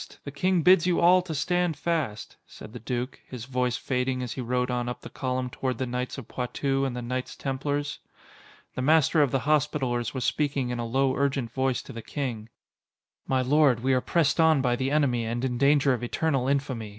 The King bids you all to stand fast," said the duke, his voice fading as he rode on up the column toward the knights of Poitou and the Knights Templars. The Master of the Hospitallers was speaking in a low, urgent voice to the King: "My lord, we are pressed on by the enemy and in danger of eternal infamy.